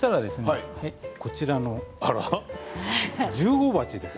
こちらの１０号鉢です。